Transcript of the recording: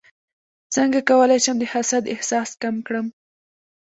څنګه کولی شم د حسد احساس کم کړم